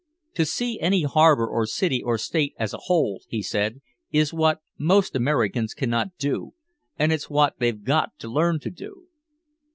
"To see any harbor or city or state as a whole," he said, "is what most Americans cannot do. And it's what they've got to learn to do."